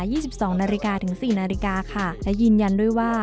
สิบสองนาฬิกาถึงสี่นาฬิกาค่ะและยืนยันด้วยว่า